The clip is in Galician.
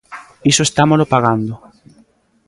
Iso estámolo pagando.